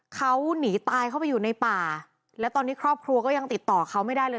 เขาหนีตายเข้าไปอยู่ในป่าแล้วตอนนี้ครอบครัวก็ยังติดต่อเขาไม่ได้เลย